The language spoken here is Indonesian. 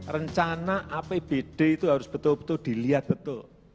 rencana apbd itu harus betul betul dilihat betul